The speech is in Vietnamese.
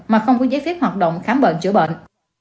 mà không có giấy phép hoạt động khám bệnh chữa bệnh